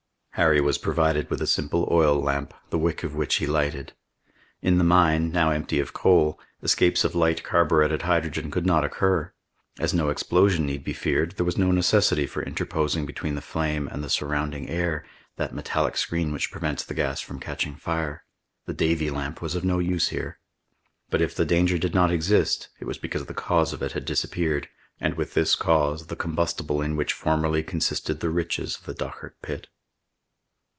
Harry was provided with a simple oil lamp, the wick of which he lighted. In the mine, now empty of coal, escapes of light carburetted hydrogen could not occur. As no explosion need be feared, there was no necessity for interposing between the flame and the surrounding air that metallic screen which prevents the gas from catching fire. The Davy lamp was of no use here. But if the danger did not exist, it was because the cause of it had disappeared, and with this cause, the combustible in which formerly consisted the riches of the Dochart pit.